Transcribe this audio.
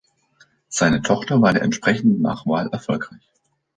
Seine Tochter war in der entsprechenden Nachwahl erfolgreich.